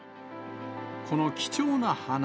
この貴重な花。